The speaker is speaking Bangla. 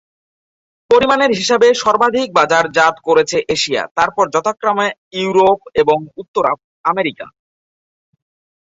পরিমাণের হিসাবে সর্বাধিক বাজারজাত করেছে এশিয়া, তারপর যথাক্রমে ইউরোপ এবং উত্তর আমেরিকা।